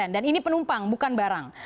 dan ini penumpang bukan barang